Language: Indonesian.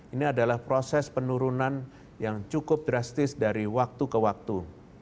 ini adalah proses penurunan yang cukup drastis dari waktu ke waktu